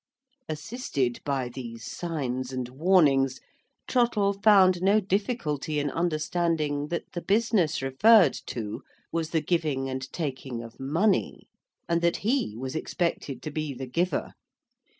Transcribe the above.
Assisted by these signs and warnings, Trottle found no difficulty in understanding that the business referred to was the giving and taking of money, and that he was expected to be the giver.